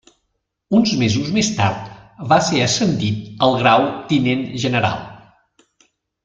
Uns mesos més tard va ser ascendit al grau Tinent general.